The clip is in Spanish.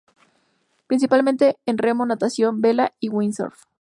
Principalmente en Remo, Natación, Vela y Windsurf.